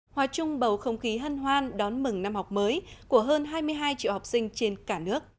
hòa chung bầu không khí hân hoan đón mừng năm học mới của hơn hai mươi hai triệu học sinh trên cả nước